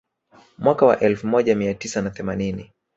Mwaka wa elfu moja mia tisa na themanini